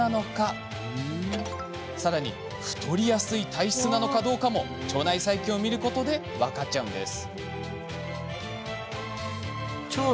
更に太りやすい体質なのかどうかも腸内細菌を見ることで分かっちゃうんです